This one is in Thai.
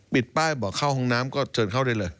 ป้ายบอกเข้าห้องน้ำก็เชิญเข้าได้เลย